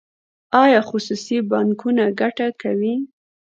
آیا خصوصي بانکونه ګټه کوي؟